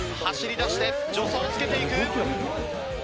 走りだして助走をつけていく。